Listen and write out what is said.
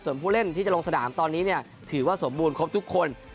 ส่วนผู้เล่นที่จะลงสนามตอนนี้เนี่ยถือว่าสมบูรณครบทุกคน